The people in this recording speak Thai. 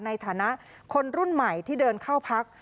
ในฐานะคนรุ่นใหม่ที่เดินเข้าพัก